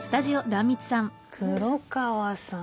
黒川さん